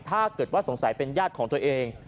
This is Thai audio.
ถ้าเกิดว่าสงสัยเป็นญาติของตัวเอง